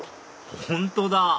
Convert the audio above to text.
本当だ！